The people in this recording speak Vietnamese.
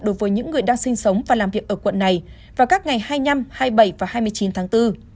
đối với những người đang sinh sống và làm việc ở quận này vào các ngày hai mươi năm hai mươi bảy và hai mươi chín tháng bốn